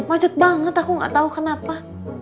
macet banget aku gak tahu kenapa